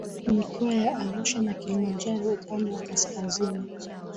Mikoa ya Arusha na Kilimanjaro Upande wa kaskazini